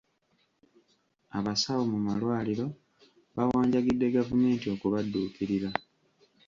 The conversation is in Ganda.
Abasawo mu malwaliro bawanjagidde gavumenti okubadduukirira.